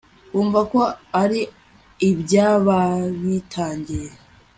bumva ko ari iby'ababitangiye